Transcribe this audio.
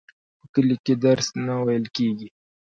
په کلي کي درس نه وویل کیږي.